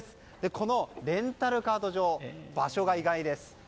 このレンタルカート場場所が意外です。